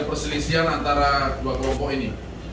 ada perselisian antara dua kelompok ini